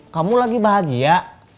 kamu lagi bahagia